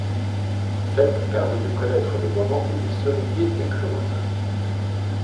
Cette permet de connaître le moment où les cerisiers éclosent.